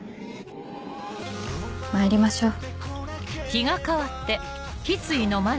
まいりましょう。